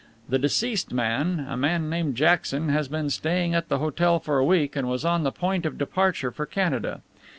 The deceased, a man named Jackson, has been staying at the hotel for a week and was on the point of departure for Canada.